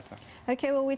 dan itu juga membuat